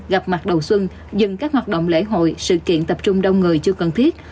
gặp mặt đầu xuân dừng các hoạt động lễ hội sự kiện tập trung đông người chưa cần thiết